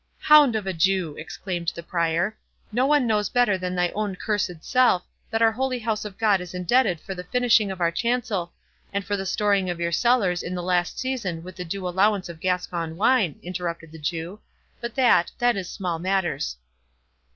"Hound of a Jew!" exclaimed the Prior, "no one knows better than thy own cursed self, that our holy house of God is indebted for the finishing of our chancel—" "And for the storing of your cellars in the last season with the due allowance of Gascon wine," interrupted the Jew; "but that—that is small matters."